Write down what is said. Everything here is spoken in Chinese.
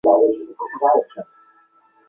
柱果铁线莲为毛茛科铁线莲属下的一个种。